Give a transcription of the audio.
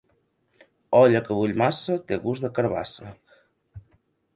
Olla que bull massa té gust de carabassa.